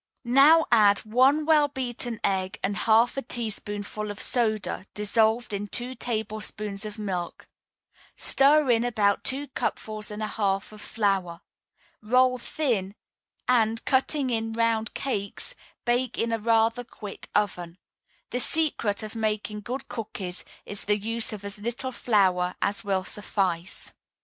Now add one well beaten egg, and half a teaspoonful of soda dissolved in two tablespoonfuls of milk. Stir in about two cupfuls and a half of flour. Roll thin, and, cutting in round cakes, bake in a rather quick oven. The secret of making good cookies is the use of as little flour as will suffice.